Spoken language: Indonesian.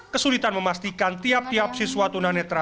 kesulitan memastikan tiap tiap siswa tuna netra